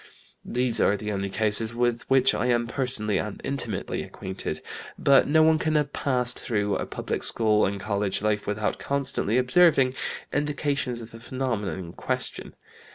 "These are the only cases with which I am personally and intimately acquainted. But no one can have passed through a public school and college life without constantly observing indications of the phenomenon in question.